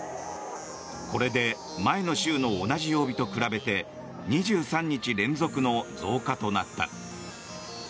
これで前の週の同じ曜日と比べて２３日連続の増加となった。